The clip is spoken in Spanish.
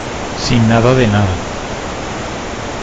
sin nada de nada.